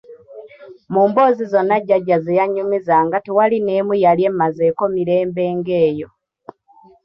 Mu mboozi zonna Jjajja ze yannyumizanga tewaali n'emu yali emmazeeko mirembe ng'eyo!